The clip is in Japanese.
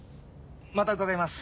また伺います。